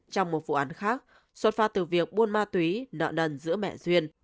trong một vụ án khác xuất phát từ việc buôn ma túy nợ nần giữa mẹ duyên